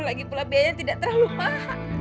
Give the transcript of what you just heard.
lagipula biayanya tidak terlalu mahal